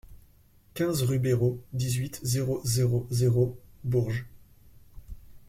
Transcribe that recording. quinze rue Béraud, dix-huit, zéro zéro zéro, Bourges